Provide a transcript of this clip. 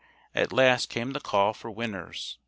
At last came the call for "Winners!"